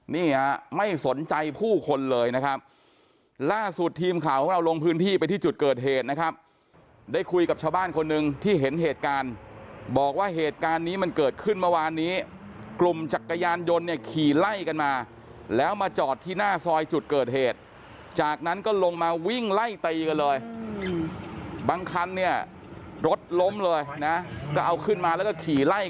นี่ฮะไม่สนใจผู้คนเลยนะครับล่าสุดทีมข่าวของเราลงพื้นที่ไปที่จุดเกิดเหตุนะครับได้คุยกับชาวบ้านคนหนึ่งที่เห็นเหตุการณ์บอกว่าเหตุการณ์นี้มันเกิดขึ้นเมื่อวานนี้กลุ่มจักรยานยนต์เนี่ยขี่ไล่กันมาแล้วมาจอดที่หน้าซอยจุดเกิดเหตุจากนั้นก็ลงมาวิ่งไล่ตีกันเลยบางคันเนี่ยรถล้มเลยนะก็เอาขึ้นมาแล้วก็ขี่ไล่